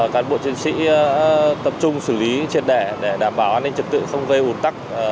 cán bộ chiến sĩ tập trung xử lý triệt đẻ để đảm bảo an ninh trật tự không gây ủn tắc